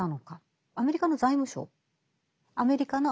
アメリカの財務省。